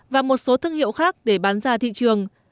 và một số thương hiệu khác để bán ra thị trường